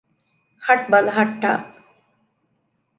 ހަޓް ބަލަހައްޓާ